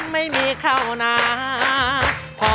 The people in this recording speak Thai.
ไม่มีข้าวน้ำ